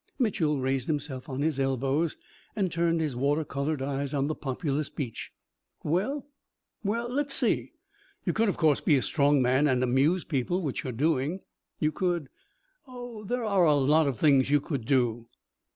Mitchel raised himself on his elbows and turned his water coloured eyes on the populous beach. "Well well let's see. You could, of course, be a strong man and amuse people which you're doing. You could oh, there are lots of things you could do."